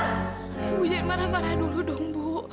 ibu jangan marah marah dulu dong bu